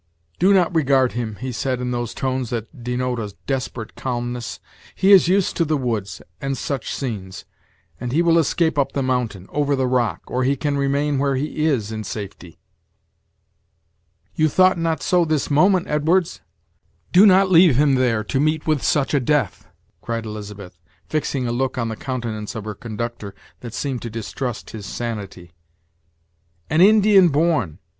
"Do not regard him," he said, in those tones that de note a desperate calmness; "he is used to the woods, and such scenes; and he will escape up the mountain over the rock or he can remain where he is in safety." "You thought not so this moment, Edwards! Do not leave him there to meet with such a death," cried Elizabeth, fixing a look on the countenance of her conductor that seemed to distrust his sanity. "An Indian born!